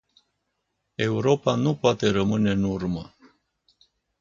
Europa nu poate rămâne în urmă.